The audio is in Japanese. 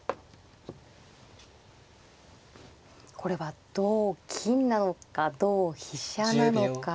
これは同金なのか同飛車なのか。